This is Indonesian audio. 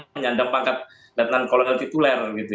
menyandang pangkat latinan kolonel tituler